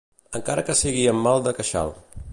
Encara que sigui amb mal de queixal